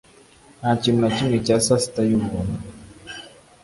Nta kintu na kimwe cya sasita y'ubuntu.